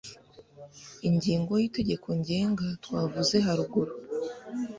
Ingingo ya y'itegeko ngenga twavuze haruguru